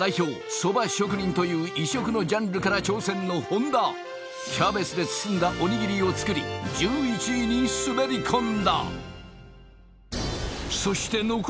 そば職人という異色のジャンルから挑戦の本田キャベツで包んだおにぎりを作り１１位に滑り込んだそして残されたのはこの５人